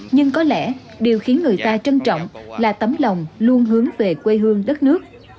nhưng có lẽ điều khiến người ta trân trọng là tấm lòng luôn hướng về quê hương đất nước